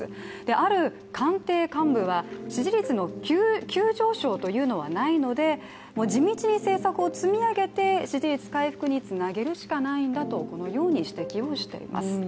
ある官邸幹部は支持率の急上昇というのはないので地道に政策を積み上げて支持率回復につなげるしかないんだと、このように指摘をしています。